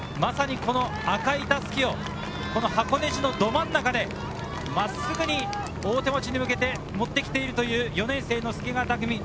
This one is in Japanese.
赤い襷を箱根路のど真ん中で真っすぐに大手町に向けて持ってきている４年生の助川拓海。